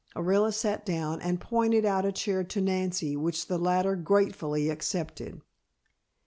Orilla sat down and pointed out a chair to Nancy, which the latter gratefully accepted.